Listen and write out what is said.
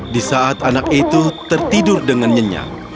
di saat anak itu tertidur dengan nyenyak